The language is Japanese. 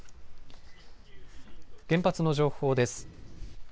原発の情報です。